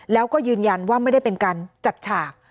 แล้วก็ยืนยันว่าไม่ได้เป็นการจัดฉาก